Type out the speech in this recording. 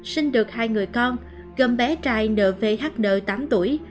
sinh được hai người con gồm bé trai nvhn tám tuổi